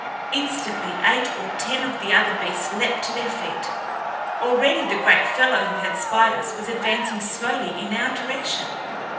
Instantly eight or ten of the other beasts leaped to their feet. Already the great fellow who had spied us was advancing slowly in our direction.